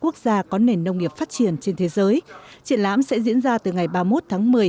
quốc gia có nền nông nghiệp phát triển trên thế giới triển lãm sẽ diễn ra từ ngày ba mươi một tháng một mươi